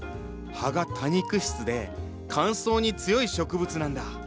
葉が多肉質で乾燥に強い植物なんだ。